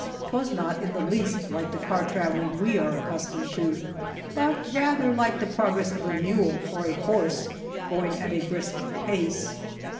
Twas not in the least like the car travelling we are accustomed to, but rather like the progress of a mule or a horse going at a brisk pace.